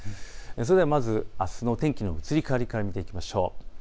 それではまず、あすの天気の移り変わりから見ていきましょう。